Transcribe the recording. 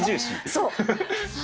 そう。